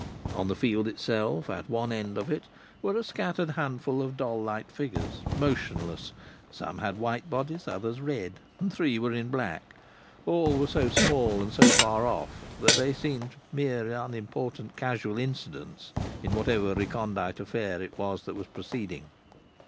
On the field itself, at one end of it, were a scattered handful of doll like figures, motionless; some had white bodies, others red; and three were in black; all were so small and so far off that they seemed to be mere unimportant casual incidents in whatever recondite affair it was that was proceeding.